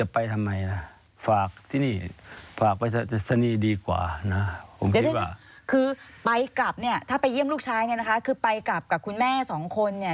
ไปกลับเนี่ยถ้าไปเยี่ยมลูกชายเนี่ยคือไปกลับกับคุณแม่สองคนเนี่ย